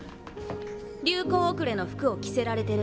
流行後れの服を着せられてる。